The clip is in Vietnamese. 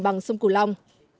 bằng sông cửu long